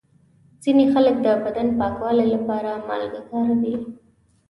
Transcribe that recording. ځینې خلک د بدن پاکولو لپاره مالګه کاروي.